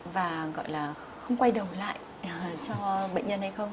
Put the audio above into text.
và không quay đầu lại cho bệnh nhân hay không